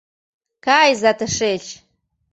— Кайыза тышеч!